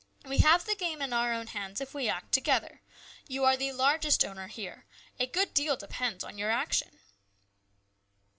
We have the game in our own hands if we act together. You are the largest owner here. A good deal depends on your action."